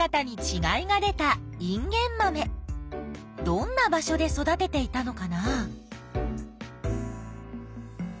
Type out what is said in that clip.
どんな場所で育てていたのかな？